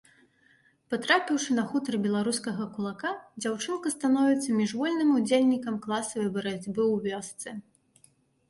Патрапіўшы на хутар беларускага кулака, дзяўчынка становіцца міжвольным удзельнікам класавай барацьбы ў вёсцы.